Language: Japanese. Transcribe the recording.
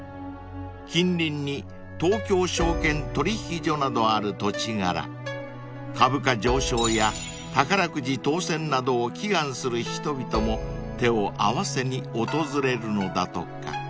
［近隣に東京証券取引所などある土地柄株価上昇や宝くじ当せんなどを祈願する人々も手を合わせに訪れるのだとか］